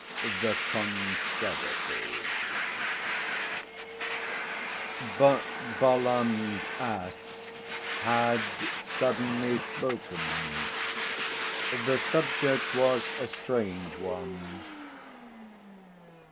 The Controversy But Balaam's ass had suddenly spoken. The subject was a strange one.